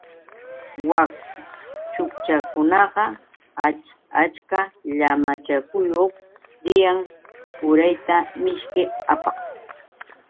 Wak chutchakunaqa ach achka llamachayuq riyan urayta mishki apaq.